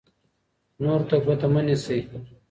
نورو ته ګوته مه نیسئ.